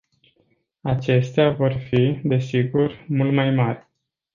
Acestea vor fi, desigur, mult mai mari.